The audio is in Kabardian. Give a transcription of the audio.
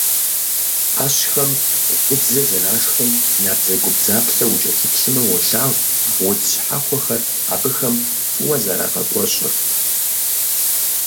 Ӏэщхэм удзыр, зэрашхым набдзэгубдзаплъэу укӀэлъыплъмэ, уолъагъу удз щхьэхуэхэр абыхэм фӀыуэ зэрагъэкӀуэщӀыр.